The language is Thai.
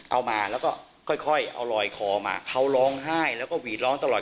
เอามาแล้วก็ค่อยเอาลอยคอมาเขาร้องไห้แล้วก็หวีดร้องตลอด